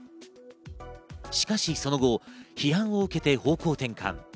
しかしその後、批判を受けて方向転換。